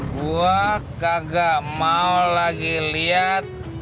gue kagak mau lagi liat